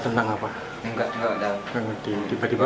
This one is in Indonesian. oh enggak tahu saya ceritanya